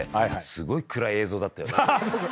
すごい暗い映像だったよな。